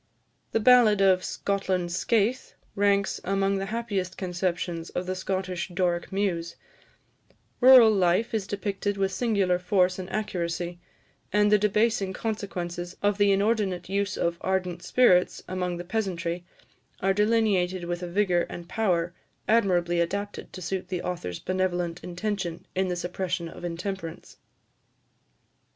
" The ballad of "Scotland's Skaith" ranks among the happiest conceptions of the Scottish Doric muse; rural life is depicted with singular force and accuracy, and the debasing consequences of the inordinate use of ardent spirits among the peasantry, are delineated with a vigour and power, admirably adapted to suit the author's benevolent intention in the suppression of intemperance.